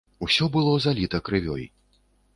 Усё было заліта крывёй.